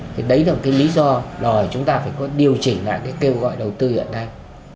thì đấy là một cái lý do đòi chúng ta phải có điều chỉnh lại cái kêu gọi đầu tư hiện nay